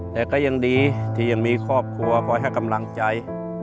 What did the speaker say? แต่ก็ยังดีที่ยังมีครอบครัวคอยให้กำลังใจ